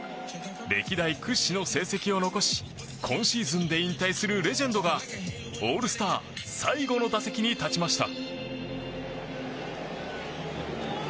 歴代屈指の成績を残し今シーズンで引退するレジェンドが、オールスター最後の打席に立ちました。